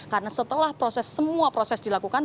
karena setelah proses semua proses dilakukan